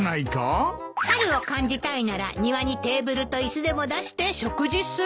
春を感じたいなら庭にテーブルと椅子でも出して食事する？